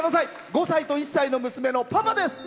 ５歳と１歳の娘のパパです。